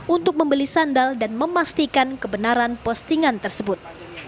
untuk membeli sandal dan memastikan kebenaran postingan tersebut